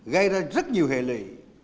gây ra rất nhiều hệ lệ